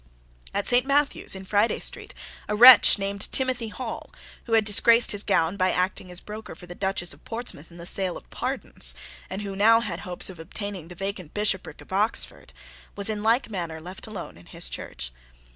At Saint Matthew's, in Friday Street, a wretch named Timothy Hall, who had disgraced his gown by acting as broker for the Duchess of Portsmouth in the sale of pardons, and who now had hopes of obtaining the vacant bishopric of Oxford, was in like manner left alone in his church.